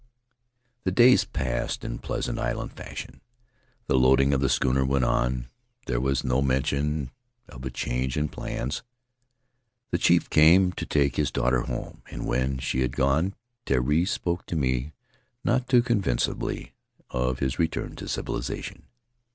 "The days passed in pleasant island fashion; the loading of the schooner went on; there was no mention of a change in plans. The chief came to take his daughter home, and when she had gone Terii spoke to me, not too convincingly, of his return to civilization.